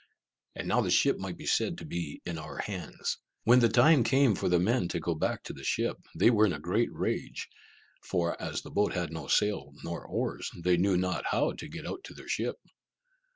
And now the ship might be said to be in our hands. When the time came for the men to go back to the ship, they were in a great rage; for, as the boat had now no sail nor oars, they knew not how to get out to their ship.